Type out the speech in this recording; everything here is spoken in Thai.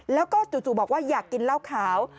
แล้วก็จู่บอกว่าอยากกินเหล้าขาว